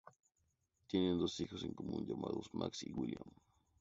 Tienen dos hijos en común, llamados Max y William.